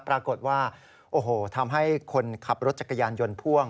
ปรากฏว่าโอ้โหทำให้คนขับรถจักรยานยนต์พ่วง